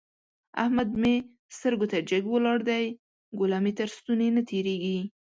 احمد مې سترګو ته جګ ولاړ دی؛ ګوله مې تر ستوني نه تېرېږي.